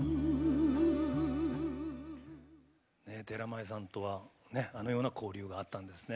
寺前さんとはあのような交流があったんですね。